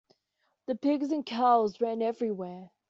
The pigs and cows ran everywhere.